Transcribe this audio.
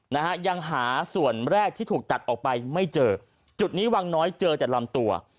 นะฮะยังหาส่วนแรกที่ถูกตัดออกไปไม่เจอจุดนี้วังน้อยเจอแต่ลำตัว